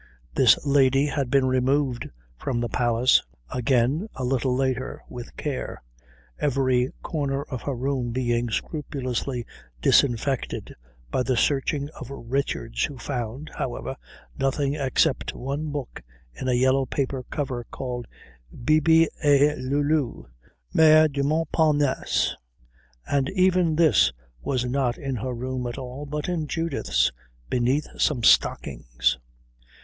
This lady had been removed from the Palace again a little later with care, every corner of her room being scrupulously disinfected by the searching of Richards who found, however, nothing except one book in a yellow paper cover called Bibi et Lulu: Mœurs du Montparnasse; and even this was not in her room at all, but in Judith's, beneath some stockings.